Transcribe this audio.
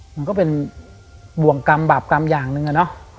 เหมือนก็เป็นบวกกรรมบาปกรรมอย่างนึงอะนะ